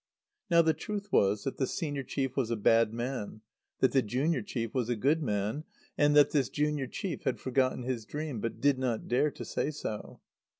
Now the truth was that the senior chief was a bad man, that the junior chief was a good man, and that this junior chief had forgotten his dream, but did not dare to say so.